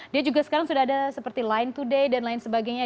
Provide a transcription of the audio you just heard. dia juga sekarang sudah ada seperti line to day dan lain sebagainya